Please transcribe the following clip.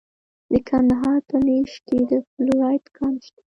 د کندهار په نیش کې د فلورایټ کان شته.